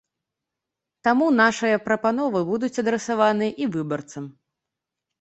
Таму нашыя прапановы будуць адрасаваныя і выбарцам.